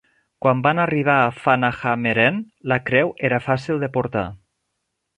Quan van arribar a Fanahammeren, la creu era fàcil de portar.